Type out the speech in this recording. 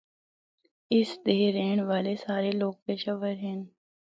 اس دے رہنڑا والے سارے لوگ پشہ ور ہن۔